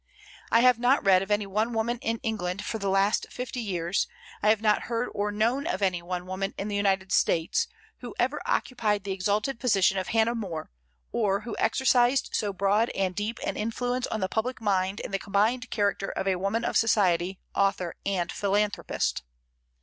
I have not read of any one woman in England for the last fifty years, I have not heard or known of any one woman in the United States, who ever occupied the exalted position of Hannah More, or who exercised so broad and deep an influence on the public mind in the combined character of a woman of society, author, and philanthropist.